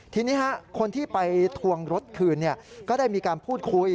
ทีนี้คนที่ไปทวงรถคืนก็ได้มีการพูดคุย